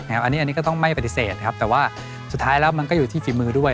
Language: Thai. อันนี้ก็ต้องไม่ปฏิเสธครับแต่ว่าสุดท้ายแล้วมันก็อยู่ที่ฝีมือด้วย